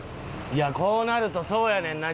いやこうなるとそうやねんな。